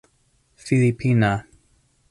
filipina